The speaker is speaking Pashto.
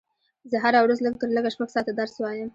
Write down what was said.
زه هره ورځ لږ تر لږه شپږ ساعته درس وایم